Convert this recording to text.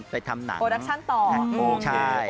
โปรดักชั่นต่อ